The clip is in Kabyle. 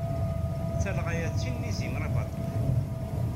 Talɣa-a d tin n yizimer abaṭuc.